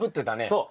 そう。